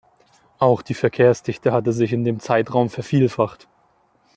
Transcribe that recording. Auch die Verkehrsdichte hatte sich in dem Zeitraum vervielfacht.